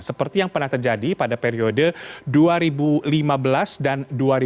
seperti yang pernah terjadi pada periode dua ribu lima belas dan dua ribu dua puluh